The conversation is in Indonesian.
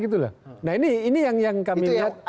nah ini yang kami lihat